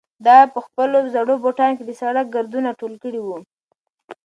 ده په خپلو زړو بوټانو کې د سړک ګردونه ټول کړي وو.